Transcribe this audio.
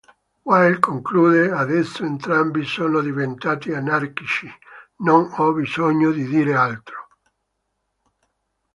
Wilde conclude: adesso entrambi sono diventati anarchici, non ho bisogno di dire altro.